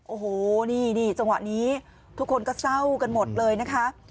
โอ้โหนี่จังหวะนี้ทุกคนก็เศร้ากันหมดเลยนะคะ